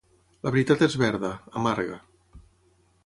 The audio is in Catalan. La veritat és verda (amarga)